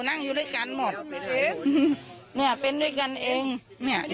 นั่งอยู่ด้วยกันหมดอืมเนี่ยเป็นด้วยกันเองเนี่ย